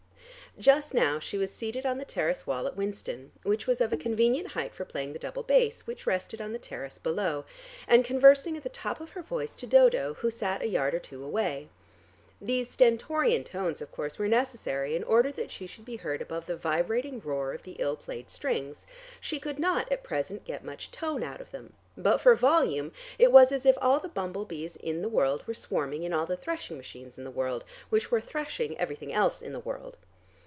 Just now she was seated on the terrace wall at Winston, which was of a convenient height for playing the double bass, which rested on the terrace below, and conversing at the top of her voice to Dodo who sat a yard or two away. These stentorian tones of course were necessary in order that she should be heard above the vibrating roar of the ill played strings. She could not at present get much tone out of them; but for volume, it was as if all the bumblebees in the world were swarming in all the threshing machines in the world, which were threshing everything else in the world.